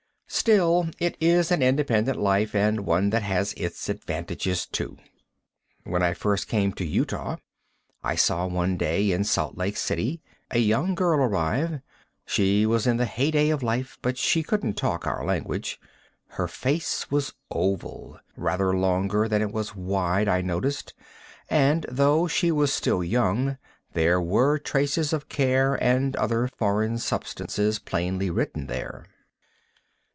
Still, it is an independent life, and one that has its advantages, too. When I first came to Utah, I saw one day, in Salt Lake City, a young girl arrive. She was in the heyday of life, but she couldn't talk our language. Her face was oval; rather longer than it was wide, I noticed, and, though she was still young, there were traces of care and other foreign substances plainly written there.